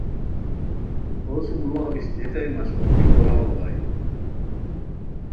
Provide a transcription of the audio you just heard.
ہو سوم لو امیشتیتائے مشقولگی کوراؤ بغائے